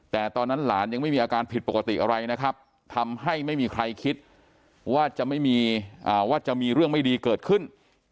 แต่ตอนนั้นหลานยังไม่มีอาการผิดปกติอะไรนะครับทำให้ไม่มีใครคิดว่าจะไม่มีว่าจะมีเรื่องไม่ดีเกิดขึ้น